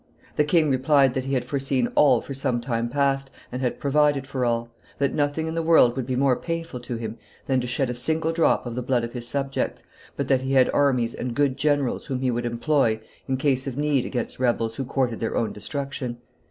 The king replied that he had foreseen all for some time past, and had provided for all; that nothing in the world would be more painful to him than to shed a single drop of the blood of his subjects, but that he had armies and good generals whom he would employ in case of need against rebels who courted their own destruction.